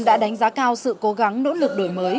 đã đánh giá cao sự cố gắng nỗ lực đổi mới